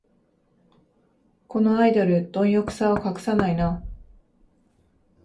このアイドル、どん欲さを隠さないな